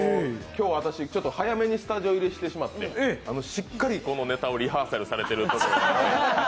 今日、私、早めにスタジオ入りしてしまってしっかりこのネタをリハーサルされているところを。